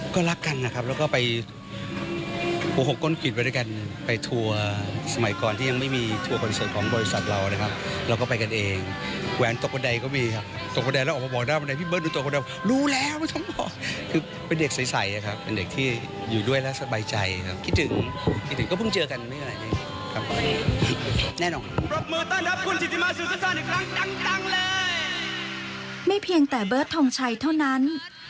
ก็รักกันนะครับแล้วก็ไปหัวหกก้นกลิ่นไปด้วยกันไปทัวร์สมัยก่อนที่ยังไม่มีทัวร์คอนเสิร์ตของบริษัทเรานะครับเราก็ไปกันเองแหวนตกบันไดก็มีครับตกบันไดแล้วออกมาบอกหน้าบันไดพี่เบิร์ดหนูตกบันไดรู้แล้วคือเป็นเด็กใส่ครับเป็นเด็กที่อยู่ด้วยแล้วสบายใจครับคิดถึงก็เพิ่งเจอกัน